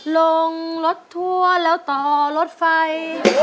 ลงรถทัวร์แล้วต่อรถไฟ